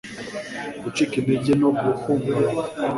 gucika intege no guhungabana,